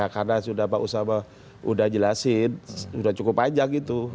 karena sudah pak usama sudah jelasin sudah cukup panjang itu